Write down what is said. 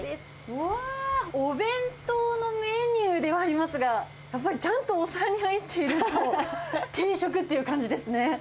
うわー、お弁当のメニューではありますが、やっぱりちゃんとお皿に入っていると、定食っていう感じですね。